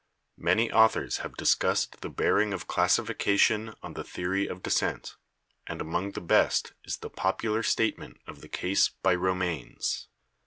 Many authors have discussed the bearing of classification on the theory of descent, and among the best is the popular statement of the case by Romanes.